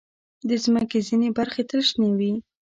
د مځکې ځینې برخې تل شنې وي.